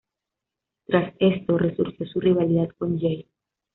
Tras esto, resurgió su rivalidad con Jade.